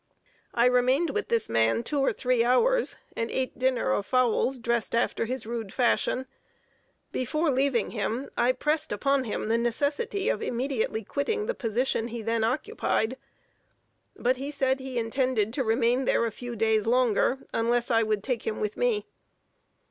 I remained with this man two or three hours, and ate dinner of fowls dressed after his rude fashion. Before leaving him, I pressed upon him the necessity of immediately quitting the position he then occupied, but he said he intended to remain there a few days longer, unless I would take him with me.